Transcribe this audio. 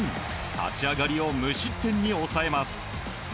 立ち上がりを無失点に抑えます。